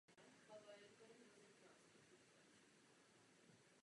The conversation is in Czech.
Kromě dělnických profesí se místní obyvatelé často živili i jako hudebníci.